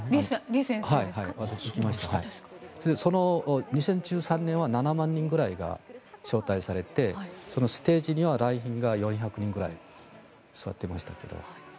そうです、その２０１３年は７万人ぐらいが招待されてそのステージには来賓が４００人ぐらい座っていましたけど。